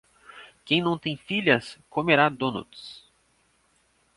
Quem não tem filhas comerá donuts.